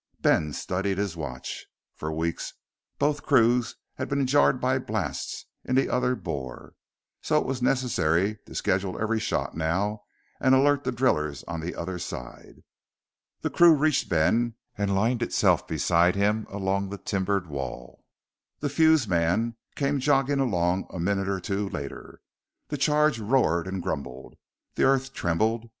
Ben studied his watch. For weeks, both crews had been jarred by blasts in the other bore; so it was necessary to schedule every shot now and alert the drillers on the other side. The crew reached Ben and lined itself beside him along the timbered wall. The fuse man came jogging along a minute or two later. The charge roared and grumbled. The earth trembled.